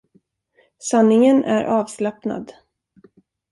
Sanningen är avslappnad.